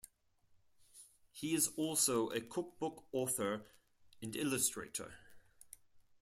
He is also a cook book author and illustrator.